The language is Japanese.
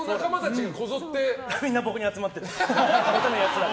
みんな僕に集まってきて。